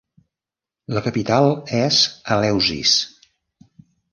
La capital és Eleusis.